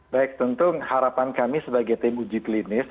baik tentu harapan kami sebagai tim uji klinis